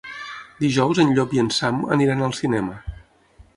Dijous en Llop i en Sam aniran al cinema.